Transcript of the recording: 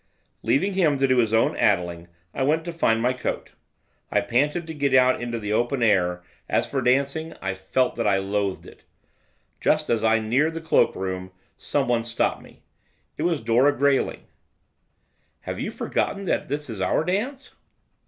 Leaving him to do his own addling I went to find my coat, I panted to get into the open air; as for dancing I felt that I loathed it. Just as I neared the cloak room someone stopped me. It was Dora Grayling. 'Have you forgotten that this is our dance?